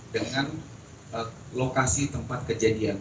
dengan lokasi tempat kejadian